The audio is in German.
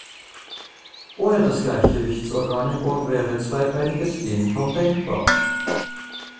Ohne das Gleichgewichtsorgan im Ohr wäre zweibeiniges Gehen kaum denkbar.